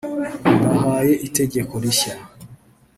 « Mbahaye itegeko rishya